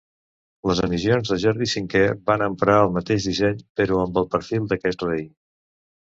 Les emissions de Jordi V van emprar el mateix disseny, però amb el perfil d'aquest rei.